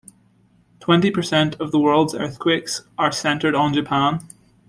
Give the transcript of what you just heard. Twenty percent of the world's earthquakes are centered on Japan.